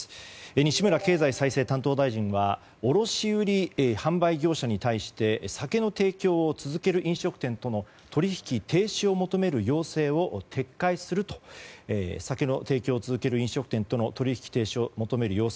西村経済再生担当大臣は卸販売業者に対して酒の提供を続ける飲食店との取引停止を求める要請を撤回すると酒の提供を続ける飲食店との取引停止を求める要請